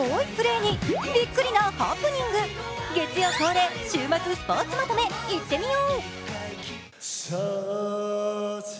月曜恒例、週末スポーツまとめいってみよう。